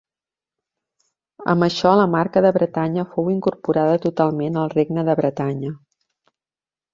Amb això la marca de Bretanya fou incorporada totalment al regne de Bretanya.